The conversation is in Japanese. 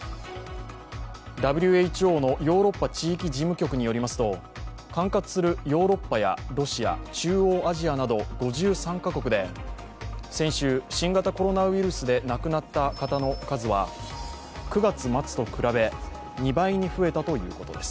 ＷＨＯのヨーロッパ地域事務局によりますと、管轄するヨーロッパやロシア、中央アジアなど５３カ国で先週、新型コロナウイルスで亡くなった方の数は９月末と比べ、２倍に増えたということです。